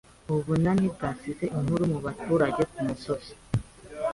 Ubunani bwasize inkuru mubaturage kumusozi